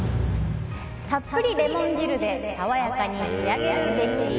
たっぷりレモン汁で爽やかに仕上げるべし。